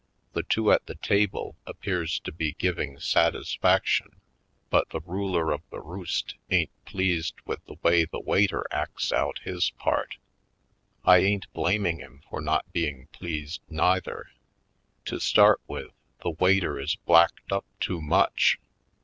The two at the table appears to be giving satisfaction but the ruler of the roost ain't pleased with the way the waiter acts out his part. I ain't blaming him for not being pleased, neither. To start with, the waiter is blacked up too much.